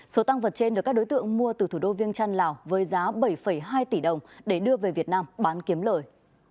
số tăng vật trên được các đối tượng mua từ thủ đô viêng trăn lào với giá bảy hai tỷ đồng để đưa về việt nam bán kiếm lời